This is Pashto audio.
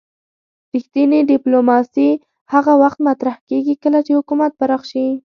رښتینې ډیپلوماسي هغه وخت مطرح کیږي کله چې حکومت پراخ شي